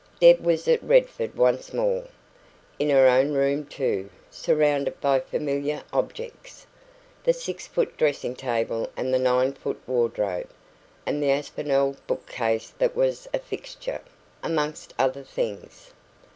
Deb was at Redford once more. In her own room too, surrounded by familiar objects the six foot dressing table and the nine foot wardrobe, and the Aspinalled book case that was a fixture, amongst other things.